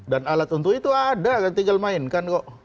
dan alat untuk itu ada kan tinggal mainkan kok